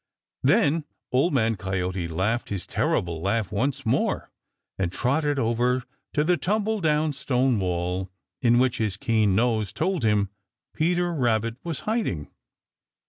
Then Old Man Coyote laughed his terrible laugh once more and trotted over to the tumble down stone wall in which his keen nose told him Peter Rabbit was hiding.